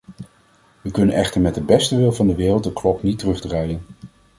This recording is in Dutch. We kunnen echter met de beste wil van de wereld de klok niet terugdraaien.